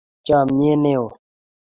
Chamyet ne o.